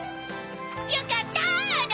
よかったの！